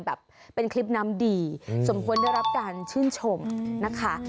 แบบเป็นคลิปน้ำดีสมควรได้รับการชื่นชมนะคะ